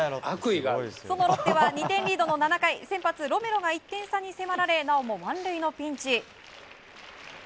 そのロッテは２点リードの７回、先発・ロメロが１点差に迫られなおも満塁のピンチ。